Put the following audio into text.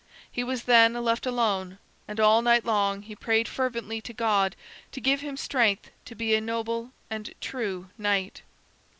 He was then left alone, and all night long he prayed fervently to God to give him strength to be a noble and true knight.